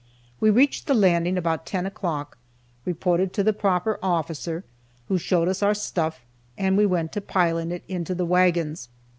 We reached the Landing about ten o'clock, reported to the proper officer, who showed us our stuff, and we went to piling it into the wagons.